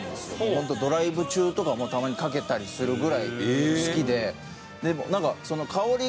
ホントドライブ中とかもたまにかけたりするぐらい好きで。